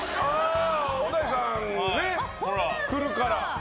小田井さん来るから。